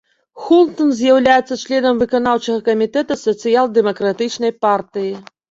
Хултэн з'яўляецца членам выканаўчага камітэта сацыял-дэмакратычнай партыі.